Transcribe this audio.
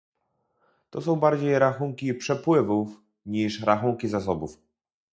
To są bardziej rachunki przepływów niż rachunki zasobów